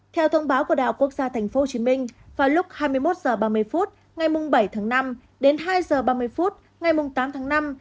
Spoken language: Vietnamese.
theo thông báo của đạo quốc gia tp hcm vào lúc hai mươi một h ba mươi phút ngày bảy tháng năm đến hai h ba mươi phút ngày tám tháng năm